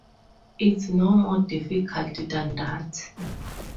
It's no more difficult than that!